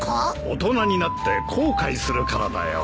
大人になって後悔するからだよ。